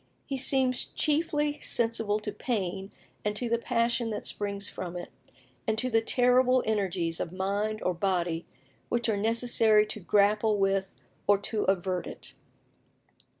He seems chiefly sensible to pain and to the passion that springs from it, and to the terrible energies of mind or body which are necessary to grapple with or to avert it."